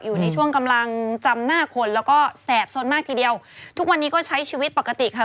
อยู่ในช่วงกำลังจำหน้าคนแล้วก็แสบสนมากทีเดียวทุกวันนี้ก็ใช้ชีวิตปกติค่ะ